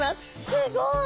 すごい！